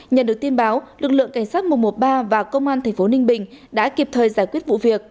nhận được tin báo lực lượng cảnh sát một trăm một mươi ba và công an tp ninh bình đã kịp thời giải quyết vụ việc